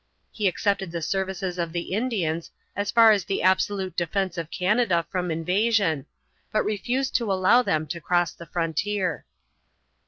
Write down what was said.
He accepted the services of the Indians as far as the absolute defense of Canada from invasion, but refused to allow them to cross the frontier.